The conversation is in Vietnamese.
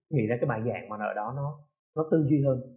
nghĩ ra cái bài giảng mà ở đó nó tư duy hơn